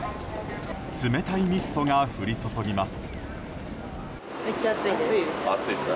冷たいミストが降り注ぎます。